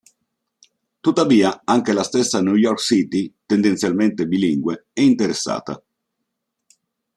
Tuttavia, anche la stessa New York City, tendenzialmente bilingue, è interessata.